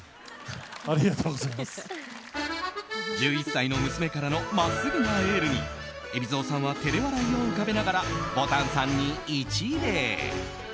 １１歳の娘からの真っすぐなエールに海老蔵さんは照れ笑いを浮かべながらぼたんさんに一礼。